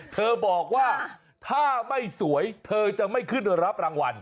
เธอบอกว่าถ้าไม่สวยเธอจะไม่ขึ้นรับรางวัล